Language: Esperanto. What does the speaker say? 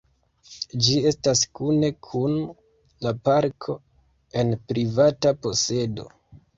Ĝi estas kune kun la parko en privata posedo.